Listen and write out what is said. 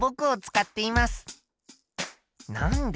なんで？